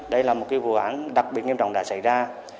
đây là một vụ án đặc biệt nghiêm trọng đã xảy ra